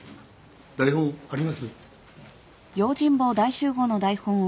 台本あります？